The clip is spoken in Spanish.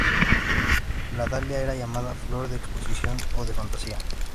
La dalia era llamada "flor de exposición o de fantasía".